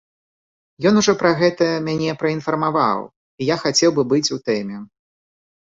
Ён ужо пра гэта мяне праінфармаваў і я хацеў бы быць у тэме.